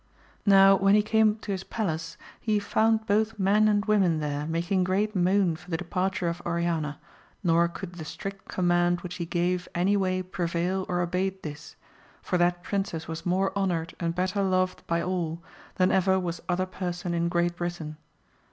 Now when he came to his palace he found both men and women there making great moan for the departure of Oriana, nor could the strict command which he gave any way prevail or abate this, for that princess was more honoured and better loved by all, than ever was other person in Great Britain.